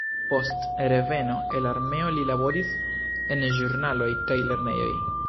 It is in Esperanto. Post reveno el armeo li laboris en ĵurnaloj kaj lernejoj.